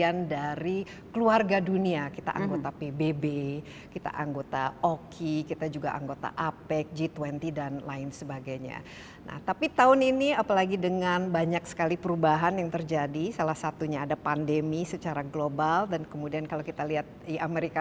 pandemi covid sembilan belas ini betul betul menyadarkan kita bahwa kesehatan adalah utama